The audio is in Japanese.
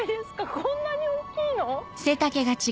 こんなに大っきいの？